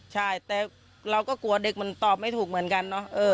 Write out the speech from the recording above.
ใช่แต่เราก็กลัวเด็กมันตอบไม่ถูกเหมือนกันเนอะ